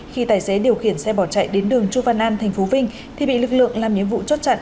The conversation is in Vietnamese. khi tài xế điều khiển xe bỏ chạy đến đường chu văn an tp vinh thì bị lực lượng làm nhiệm vụ chốt chặn